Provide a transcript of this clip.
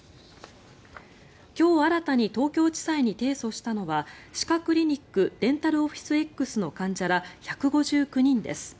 今日、新たに東京地裁に提訴したのは歯科クリニックデンタルオフィスＸの患者ら１５９人です。